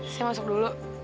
saya masuk dulu